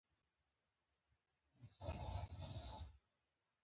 د غاښونو د پاکوالي لپاره باید څه شی وکاروم؟